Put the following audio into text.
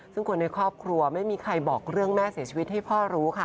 ซึ่งคนในครอบครัวไม่มีใครบอกเรื่องแม่เสียชีวิตให้พ่อรู้ค่ะ